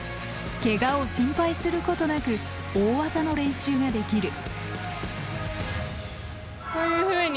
ケガを心配することなく大技の練習ができる。